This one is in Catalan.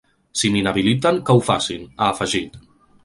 Si m’inhabiliten, que ho facin, ha afegit.